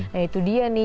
nah itu dia nih